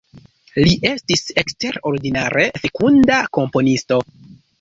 Li estis eksterordinare fekunda komponisto.